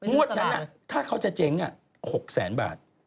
งวดนั้นถ้าเขาจะเจ๊ง๖แสนบาท